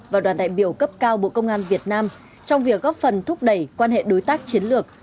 và đoàn đại biểu cấp cao bộ công an việt nam trong việc góp phần thúc đẩy quan hệ đối tác chiến lược